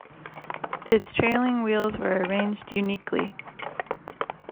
Its trailing wheels were arranged uniquely.